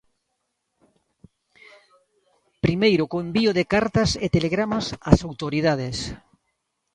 Primeiro co envío de cartas e telegramas ás autoridades.